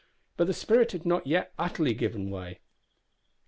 But the spirit had not yet utterly given way!